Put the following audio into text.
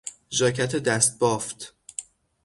ژاکت دستبافت